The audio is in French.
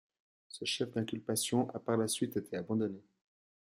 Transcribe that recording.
Ce chef d'inculpation a par la suite été abandonné.